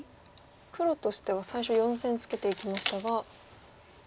黒としては最初４線ツケていきましたが。